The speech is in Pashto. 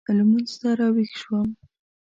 لمونځ ته راوېښ شوم.